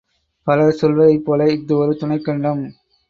பலர் சொல்வதைப்போல இஃது ஒரு துணைக் கண்டம்.